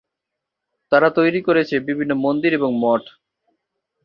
তারা তৈরী করেছে বিভিন্ন মন্দির এবং মঠ।